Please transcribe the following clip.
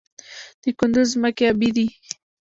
د کندز ځمکې ابي دي